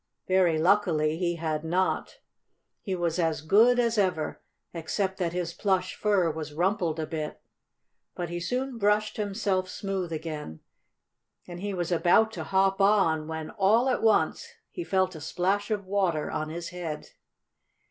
Very luckily he had not. He was as good as ever, except that his plush fur was rumpled a bit. But he soon brushed himself smooth again, and he was about to hop on, when, all at once, he felt a splash of water on his head.